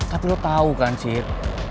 tapi lo tau kan sih